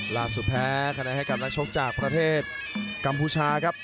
แพ้คะแนนให้กับนักชกจากประเทศกัมพูชาครับ